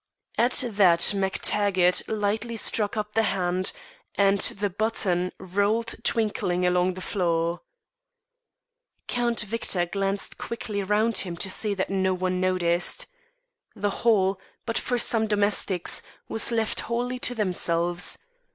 At that MacTaggart lightly struck up the hand, and the button rolled twinkling along the floor. Count Victor glanced quickly round him to see that no one noticed. The hall, but for some domestics, was left wholly to themselves.